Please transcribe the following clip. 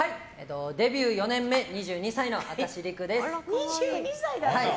デビュー４年目２２歳の明石陸です。